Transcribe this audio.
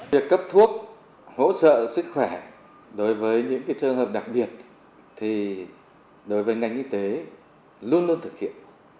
việc cấp thuốc hỗ trợ sức khỏe đối với những trường hợp đặc biệt thì đối với ngành y tế luôn luôn thực hiện